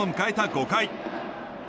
５回。